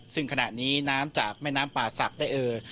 ซึ่งขณะนี้น้ำจากแม่น้ำป่าศักดิ์ได้เอ่อ